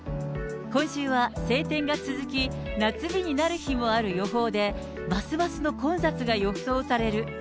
今週は晴天が続き、夏日になる日もある予報で、ますますの混雑が予想される。